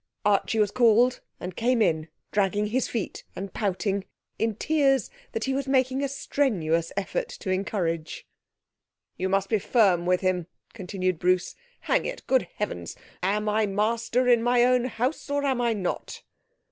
Archie was called and came in, dragging his feet, and pouting, in tears that he was making a strenuous effort to encourage. 'You must be firm with him,' continued Bruce. 'Hang it! Good heavens! Am I master in my own house or am I not?'